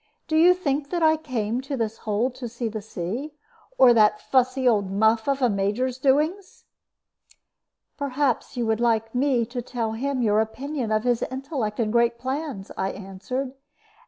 Do you think that I came to this hole to see the sea? Or that fussy old muff of a Major's doings?" "Perhaps you would like me to tell him your opinion of his intellect and great plans," I answered.